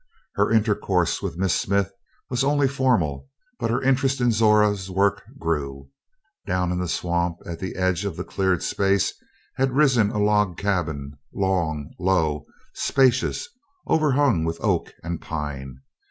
Her intercourse with Miss Smith was only formal, but her interest in Zora's work grew. Down in the swamp, at the edge of the cleared space, had risen a log cabin; long, low, spacious, overhung with oak and pine.